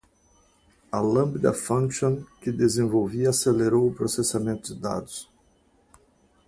A Lambda Function que desenvolvi acelerou o processamento de dados.